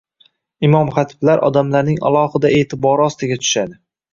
imom-xatiblar odamlarning alohida e’tibori ostiga tushadi.